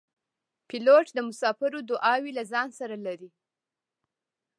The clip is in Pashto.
پیلوټ د مسافرو دعاوې له ځان سره لري.